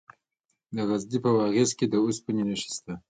د غزني په واغظ کې د اوسپنې نښې شته.